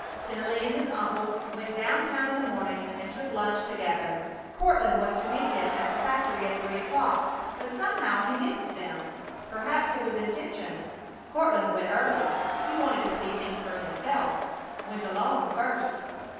Tennelly and his uncle went down town in the morning and took lunch together. Courtland was to meet them at the factory at three o'clock, but somehow he missed them. Perhaps it was intention. Courtland went early. He wanted to see things for himself; went alone first.